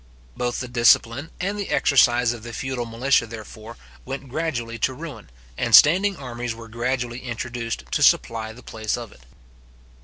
Both the discipline and the exercise of the feudal militia, therefore, went gradually to ruin, and standing armies were gradually introduced to supply the place of it.